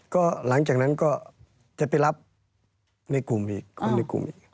ก็หลังจากนั้นก็จะไปรับในกลุ่มอีก